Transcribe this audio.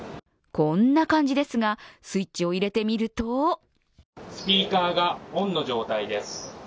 こんな感じですがスイッチを入れてみるとスピーカーがオンの状態です。